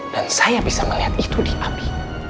dan saya bisa melihat itu di abi